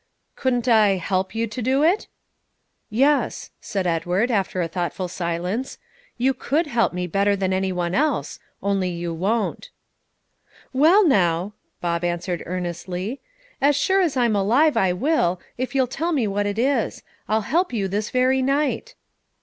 "Couldn't I help you to do it?" "Yes," said Edward, after a thoughtful silence; "you could help me better than any one else, only you won't." "Well, now," Bob answered earnestly, "as sure as I'm alive, I will, if you'll tell me what it is; I'll help you this very night."